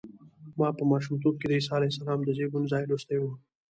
ما په ماشومتوب کې د عیسی علیه السلام د زېږون ځای لوستی و.